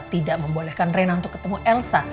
tidak membolehkan rena untuk ketemu elsa